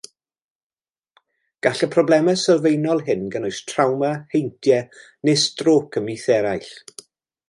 Gall y problemau sylfaenol hyn gynnwys trawma, heintiau, neu strôc ymhlith eraill.